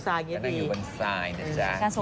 ปล่อยให้เบลล่าว่าง